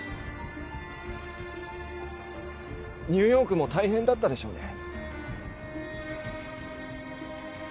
ニューヨークも大変だったでしょうね。